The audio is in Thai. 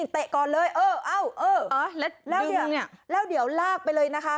เตะก่อนเลยเออเอาแล้วเดี๋ยวลากไปเลยค่ะ